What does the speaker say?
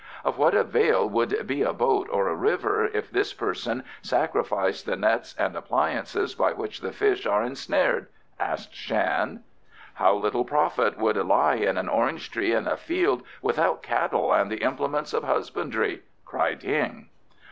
"Of what avail would be a boat or a river if this person sacrificed the nets and appliances by which the fish are ensnared?" asked Shan. "How little profit would lie in an orange tree and a field without cattle and the implements of husbandry!" cried Hing.